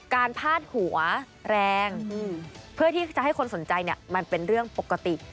พาดหัวแรงเพื่อที่จะให้คนสนใจเนี่ยมันเป็นเรื่องปกติ